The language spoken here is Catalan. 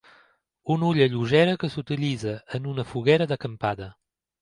Una olla lleugera que s'utilitza en una foguera d'acampada.